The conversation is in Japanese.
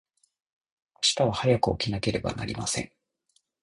明日は早く起きなければなりません。